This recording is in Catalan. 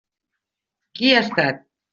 Qui ha estat?